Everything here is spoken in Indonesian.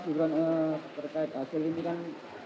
oke mas berkait hasil ini kan